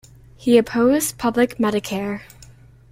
He opposed public medicare.